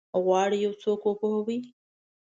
غواړي یو څوک وپوهوي؟